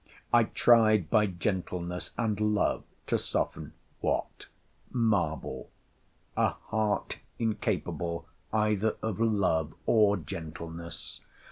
I tried by gentleness and love to soften—What?—Marble. A heart incapable either of love or gentleness.